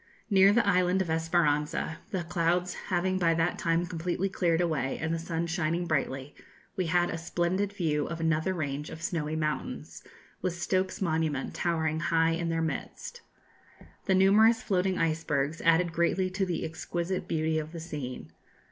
Near the island of Esperanza, the clouds having by that time completely cleared away, and the sun shining brightly, we had a splendid view of another range of snowy mountains, with Stoke's Monument towering high in their midst. The numerous floating icebergs added greatly to the exquisite beauty of the scene.